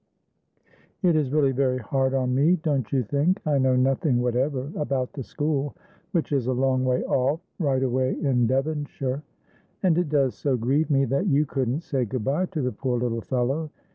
"It is really very hard on me, don't you think? I know nothing whatever about the school, which is a long way off, right away in Devonshire: And it does so grieve me that you couldn't say good bye to the poor little fellow.